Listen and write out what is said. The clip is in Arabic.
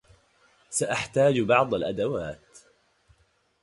سأحتاج بعض الأدوات.